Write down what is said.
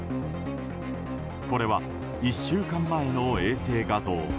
これは、１週間前の衛星画像。